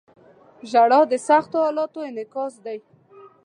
• ژړا د سختو حالاتو انعکاس دی.